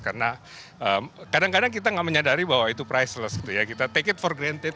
karena kadang kadang kita tidak menyadari bahwa itu priceless kita take it for granted